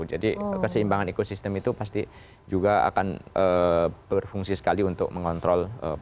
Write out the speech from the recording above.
jadi keseimbangan ekosistem itu pasti juga akan berfungsi sekali untuk mengontrol